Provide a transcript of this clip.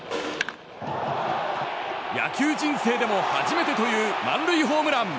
野球人生でも初めてという満塁ホームラン！